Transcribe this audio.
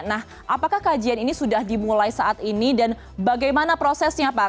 nah apakah kajian ini sudah dimulai saat ini dan bagaimana prosesnya pak